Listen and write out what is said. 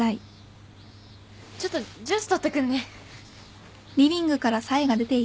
ちょっとジュース取ってくるね。